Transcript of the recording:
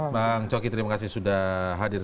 bang coki terima kasih sudah hadir